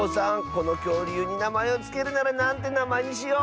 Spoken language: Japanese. このきょうりゅうになまえをつけるならなんてなまえにしよう？